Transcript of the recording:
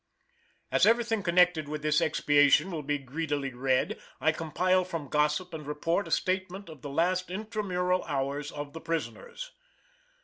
As everything connected with this expiation will be greedily read I compile from gossip and report a statement of the last intramural hours of the prisoners.